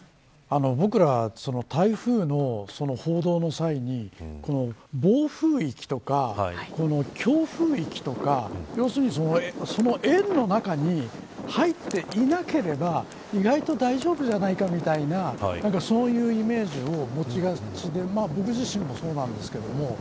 僕ら、台風の報道の際に暴風域とか強風域とか要するに円の中に入っていなければ意外と大丈夫じゃないかみたいなそういうイメージを持ちがちで僕自身もそうなんですけれども。